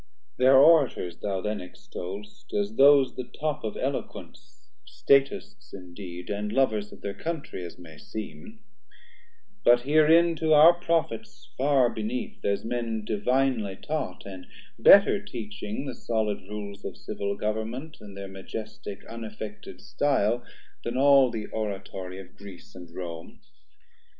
Thir Orators thou then extoll'st, as those The top of Eloquence, Statists indeed, And lovers of thir Country, as may seem; But herein to our Prophets far beneath, As men divinely taught, and better teaching The solid rules of Civil Government In thir majestic unaffected stile Then all the Oratory of Greece and Rome.